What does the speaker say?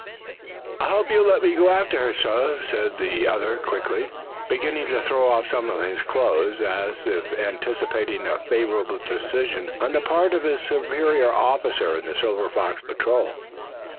"I hope you'll let me go after her, suh," said the other, quickly, beginning to throw off some of his clothes, as if anticipating a favorable decision on the part of his superior officer in the Silver Fox Patrol.